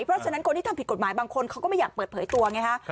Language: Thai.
เพราะฉะนั้นคนที่ทำผิดกฎหมายบางคนเขาก็ไม่อยากเปิดเผยตัวไงฮะ